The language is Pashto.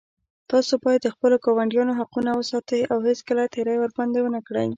تاسو باید د خپلو ګاونډیانو حقونه وساتئ او هېڅکله تېری ورباندې ونه کړئ